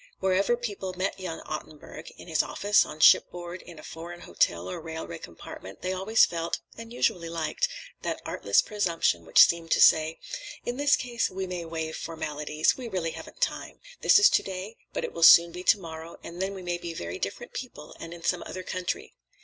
Wherever people met young Ottenburg, in his office, on shipboard, in a foreign hotel or railway compartment, they always felt (and usually liked) that artless presumption which seemed to say, "In this case we may waive formalities. We really haven't time. This is to day, but it will soon be to morrow, and then we may be very different people, and in some other country."